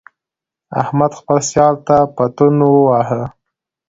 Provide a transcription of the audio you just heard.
احمد خپل سیال ته پتون وواهه.